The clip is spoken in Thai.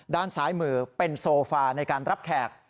ด้านซ้ายมือเป็นโซฟาในการรับแขก